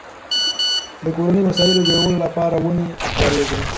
د کورنیو وسایلو جوړولو لپاره ونې کارېږي.